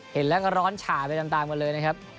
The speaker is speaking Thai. เห็นแล้วก็ร้อนฉ่าไปตามกันเลยนะครับ